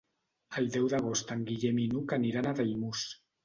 El deu d'agost en Guillem i n'Hug aniran a Daimús.